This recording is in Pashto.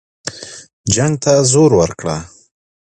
جنګ ته زور ورکړه.